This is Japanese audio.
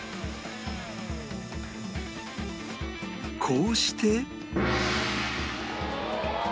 こうして